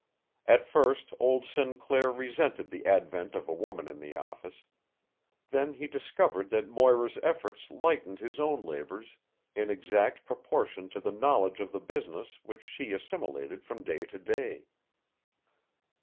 At first old Sinclair resented the advent of a woman in the office; then he discovered that Moira's efforts lightened his own labours in exact proportion to the knowledge of the business which she assimilated from day to day.